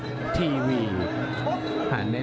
กระหน่าที่น้ำเงินก็มีเสียเอ็นจากอุบลนะครับ